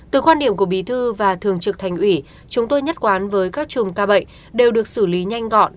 từ quan điểm của bí thư và thường trực thành ủy chúng tôi nhất quán với các chùm ca bệnh đều được xử lý nhanh gọn